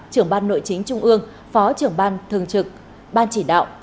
trưởng ban nội chính trung ương phó trưởng ban thường trực ban chỉ đạo